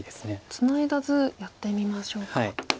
ツナいだ図やってみましょうか。